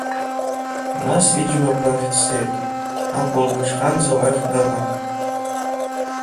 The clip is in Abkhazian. Нас иџьмақәа рахь дцеит, ахәылбыҽханӡа уахь дыҟан.